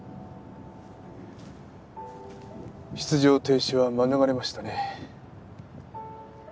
出場停止は免れましたね。